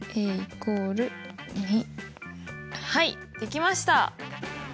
はいできました！